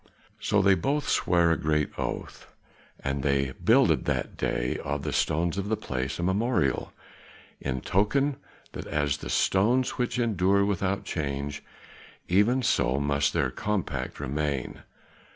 So they both sware a great oath; and they builded that day of the stones of the place a memorial, in token that as the stones which endure without change, even so must their compact remain.